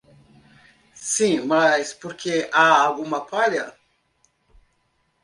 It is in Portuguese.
Sim, mas por que há alguma palha?